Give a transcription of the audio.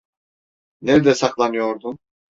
Nerede saklanıyordun?